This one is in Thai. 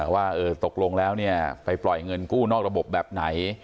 ว่าตกลงแล้วไปปล่อยเงินกู้นอกระบบแบบไหน